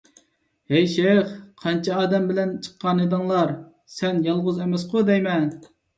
ھەي شەيخ، قانچە ئادەم بىللە چىققانىدىڭلار؟ سەن يالغۇز ئەمەسقۇ دەيمەن!